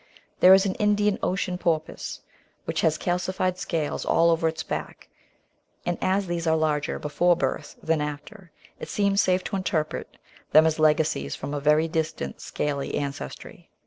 There is an Indian Ocean porpoise which has calcified scales all along its back, and» as these are larger before birth than after, it seems safe to interpret them as legacies from a very distant scaly ancestry.